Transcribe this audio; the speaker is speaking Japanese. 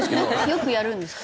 よくやるんですか？